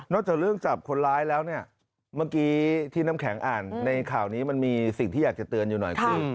จากเรื่องจับคนร้ายแล้วเนี่ยเมื่อกี้ที่น้ำแข็งอ่านในข่าวนี้มันมีสิ่งที่อยากจะเตือนอยู่หน่อยคือ